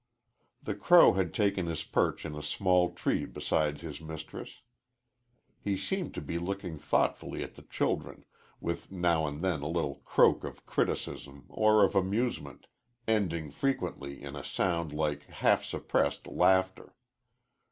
The crow had taken his perch in a small tree beside his mistress. He seemed to be looking thoughtfully at the children, with now and then a little croak of criticism or of amusement, ending frequently in a sound like half suppressed laughter.